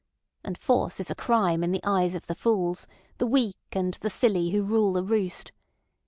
And force is a crime in the eyes of the fools, the weak and the silly who rule the roost.